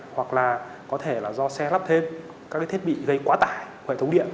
hoặc là có thể là do xe lắp thêm các cái thiết bị gây quá tải của hệ thống điện